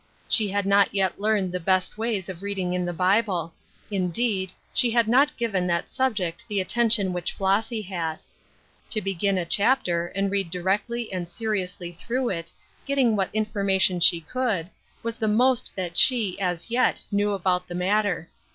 She had not yet learned the best ways of reading in the Bible ; indeed, she had not given that subject the attention which Flossy had. To begin a chapter, and read directly and seriously through it, getting what information she could, was the most that she, as yet, knew about the matter.